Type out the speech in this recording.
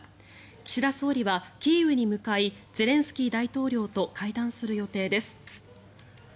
岸田総理はキーウに向かいゼレンスキー大統領と会談する予定です。